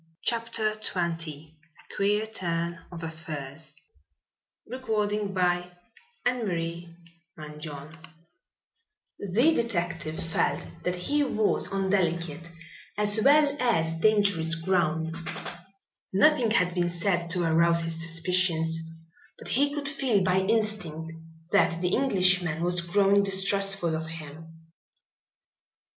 CHAPTER XX A QUEER TURN OF AFFAIRS The detective felt that he was on delicate as well as dangerous ground. Nothing had been said to arouse his suspicions but he could feel by instinct that the Englishman was growing distrustful of him.